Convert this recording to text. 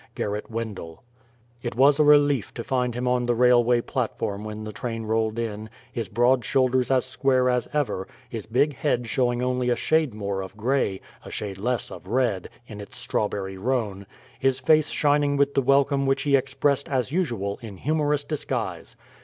Gerrit Wendell." It was a relief to find him on the railway platform when the train rolled in, his broad shoulders as square as ever, his big head showing only a shade more of gray, a shade less of red, in its strawberry roan, his face shining with the welcome which he expressed, as usual, in humorous disguise.